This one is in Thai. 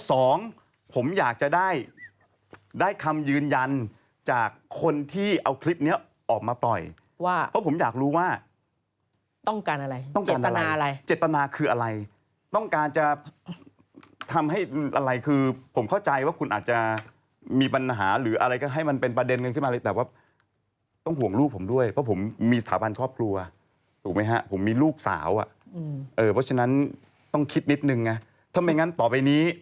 สองผมอยากจะได้ได้คำยืนยันจากคนที่เอาคลิปนี้ออกมาปล่อยว่าเพราะผมอยากรู้ว่าต้องการอะไรต้องเจตนาอะไรเจตนาคืออะไรต้องการจะทำให้อะไรคือผมเข้าใจว่าคุณอาจจะมีปัญหาหรืออะไรก็ให้มันเป็นประเด็นกันขึ้นมาเลยแต่ว่าต้องห่วงลูกผมด้วยเพราะผมมีสถาบันครอบครัวถูกไหมฮะผมมีลูกสาวอ่ะเออเพราะฉะนั้นต้องคิดนิดนึงไงทำไมงั้นต่อไปนี้